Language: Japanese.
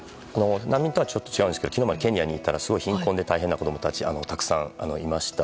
難民とはちょっと違うんですが昨日まですごい貧困で大変な子供たちたくさんいました。